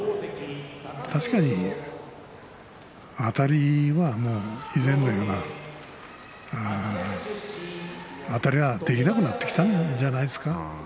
確かにあたりは以前のようなあたりはできなくなってきたんじゃないですか。